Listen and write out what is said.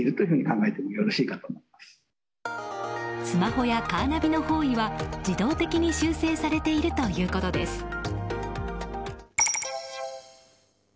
スマホやカーナビの方位は自動的に修正されているということです。